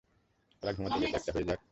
ওরা ঘুমাতে গেছে, একটা হয়ে যাক?